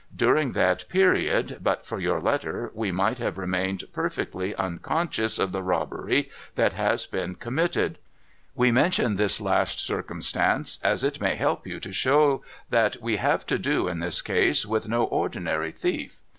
During that period, but for your letter, we might have remained perfectly unconscious of the robbery that has been committed. * We mention this last circumstance, as it may help to show you that we have to do, in this case, with no ordinary thief.